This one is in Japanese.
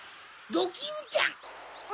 ドキンちゃん！